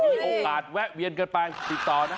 มีโอกาสแวะเวียนกันไปติดต่อนะ